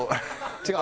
違う。